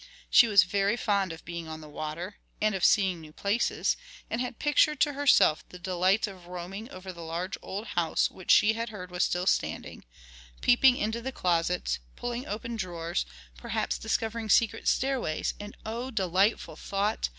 She was very fond of being on the water, and of seeing new places, and had pictured to herself the delights of roaming over the large old house, which she had heard was still standing, peeping into the closets, pulling open drawers, perhaps discovering secret stairways and oh delightful thought!